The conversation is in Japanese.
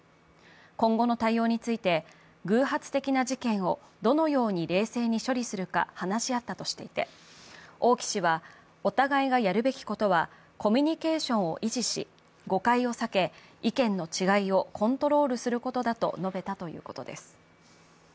今後の対応について、偶発的な事件をどのように冷静に処理するか、話し合ったとしていて、王毅氏はお互いがやるべきことはコミュニケーションを維持し誤解を避け意見の違いをコントロールすることだと述べたということです。